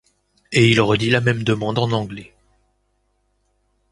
Et il redit la même demande en anglais.